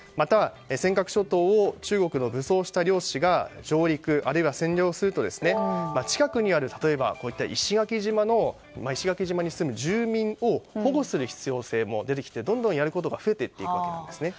尖閣諸島を中国の武装した漁師が上陸、あるいは占領すると近くにある、例えば石垣島に住む住民を保護する必要性も出てきてどんどんやることが増えていくんですね。